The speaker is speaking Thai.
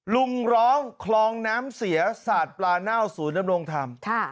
ลุงร้องคลองน้ำเสียสาดปลาเน่าศูนย์ดำรงธรรม